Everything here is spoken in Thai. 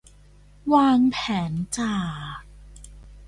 วางแผนจาก